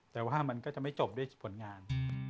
แต่ว่ามันก็จะไม่จบด้วยผลงาน